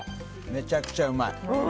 めちゃくちゃうまい。